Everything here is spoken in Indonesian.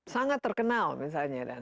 sangat terkenal misalnya